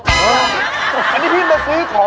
อะไรนะอันนี้พี่มาซื้อของ